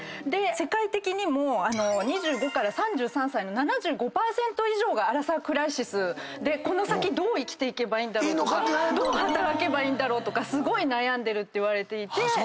世界的にも２５から３３歳の７５％以上がアラサークライシスでこの先どう生きていけばいいんだろうとかどう働けばいいんだろうとかすごい悩んでるといわれていて。